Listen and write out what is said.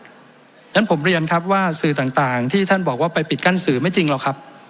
เพราะฉะนั้นผมเรียนครับว่าสื่อต่างที่ท่านบอกว่าไปปิดกั้นสื่อไม่จริงหรอกครับ